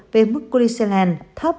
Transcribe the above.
về mức kulinshela thấp